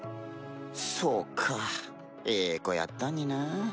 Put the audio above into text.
そうかええ子やったんになぁ。